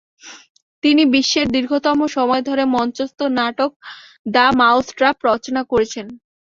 তিনি বিশ্বের দীর্ঘতম সময় ধরে মঞ্চস্থ নাটক দ্য মাউসট্র্যাপ রচনা করেছেন।